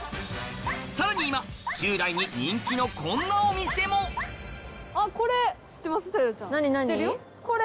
さらに今１０代に人気のこんなお店もこれ。